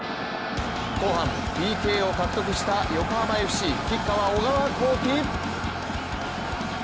後半、ＰＫを獲得した横浜ＦＣ、キッカーは小川航基。